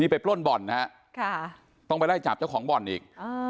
ไปปล้นบ่อนนะฮะต้องไปไล่จับเจ้าของบ่อนอีก